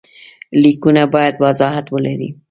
لیکونه باید وضاحت ولري.